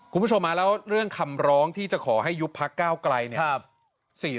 คุณผู้ชมแล้วเรื่องคำร้องที่จะขอให้ยุบพักก้าวไกลเนี่ย